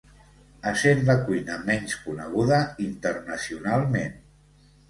Essent la cuina menys coneguda internacionalment.